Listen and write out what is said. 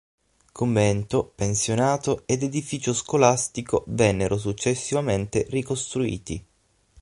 Convento, pensionato ed edificio scolastico vennero successivamente ricostruiti.